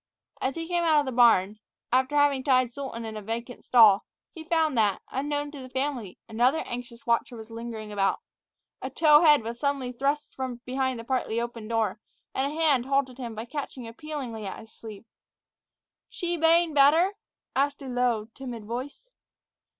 As he came out of the barn, after having tied Sultan in a vacant stall, he found that, unknown to the family, another anxious watcher was lingering about. A tow head was suddenly thrust from behind the partly open door, and a hand halted him by catching appealingly at his sleeve. "She bane bater?" asked a low, timid voice.